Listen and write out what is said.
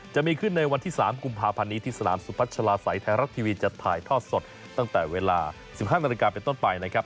จะมีขึ้นในวันที่๓กุมภาพันธ์นี้ที่สนามสุพัชลาศัยไทยรัฐทีวีจะถ่ายทอดสดตั้งแต่เวลา๑๕นาฬิกาเป็นต้นไปนะครับ